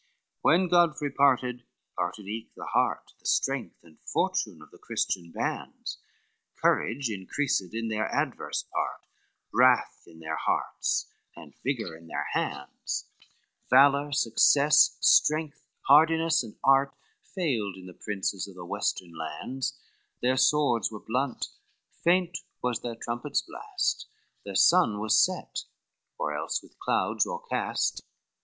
LVII When Godfrey parted, parted eke the heart, The strength and fortune of the Christian bands, Courage increased in their adverse part, Wrath in their hearts, and vigor in their hands: Valor, success, strength, hardiness and art, Failed in the princes of the western lands, Their swords were blunt, faint was their trumpet's blast, Their sun was set, or else with clouds o'ercast.